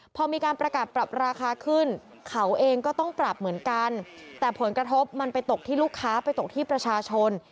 พอมีการประกาศปรับราคาขึ้นเขาเองก็ต้องปรับเหมือนกันแต่ผลกระทบมันไปตกที่ลูกค้าไปตกที่ประชาชน